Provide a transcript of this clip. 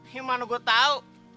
ya mana gua tau